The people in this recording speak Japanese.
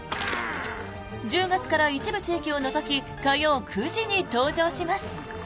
１０月から一部地域を除き火曜９時に登場します。